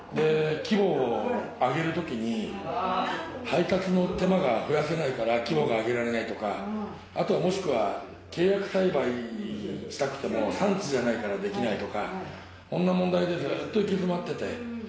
規模を上げる時に配達の手間が増やせないから規模が上げられないとかあとはもしくは契約栽培したくても産地じゃないからできないとかそんな問題でずーっと行き詰まってて。